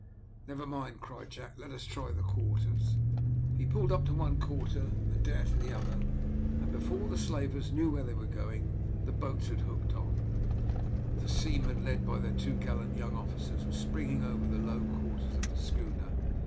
"Never mind," cried Jack, "let us try the quarters." He pulled up to one quarter, Adair to the other, and before the slavers knew where they were going, the boats had hooked on, the seamen, led by their two gallant young officers, were springing over the low quarters of the schooner.